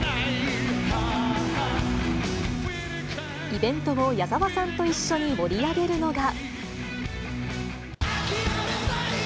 イベントを矢沢さんと一緒に盛り上げるのが。